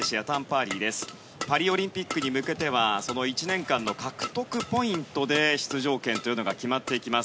パリオリンピックに向けては１年間の獲得ポイントで出場権が決まっていきます。